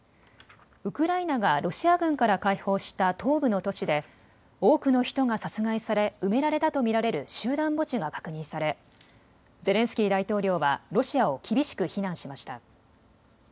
ウクライナがロシア軍から解放した東部の都市で多くの人が殺害され埋められたと見られる集団墓地が確認されゼレンスキー大統領はロシアを厳しく非難しました。